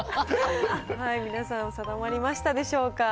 皆さん定まりましたでしょうか。